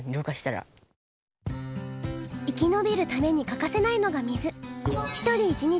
生きのびるために欠かせないのが水。